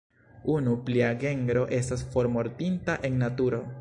Unu plia genro estas formortinta en naturo.